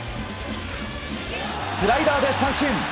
スライダーで三振！